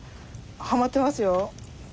ハマってますよ。